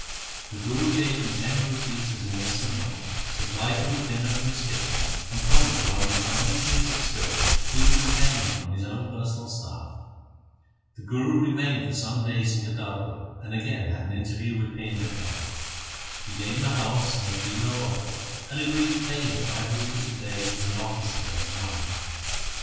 The Guru gave him ten rupees as enlistment money, supplied him with dinner from his kitchen, and promised that on returning from his excursion he would retain him on his own personal staff. The Guru remained for some days in Kartarpur, and again had an interview with Painda Khan. He gave him a house and a female buffalo, and agreed to pay him five rupees a day as an officer of his army.